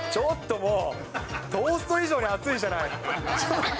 トースト以上に熱いじゃない。